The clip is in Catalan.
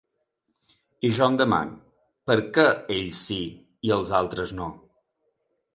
I jo em deman: per què ells sí i els altres no?